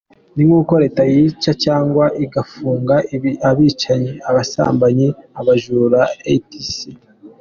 Ni nkuko Leta yica cyangwa igafunga abicanyi, abasambanyi, abajura, etc.